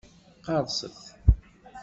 Qerrset!